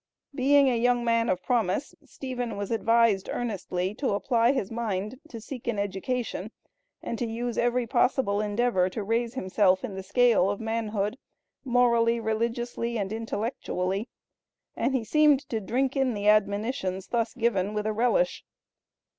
Being a young man of promise, Stephen was advised earnestly to apply his mind to seek an education, and to use every possible endeavor to raise himself in the scale of manhood, morally, religiously and intellectually; and he seemed to drink in the admonitions thus given with a relish.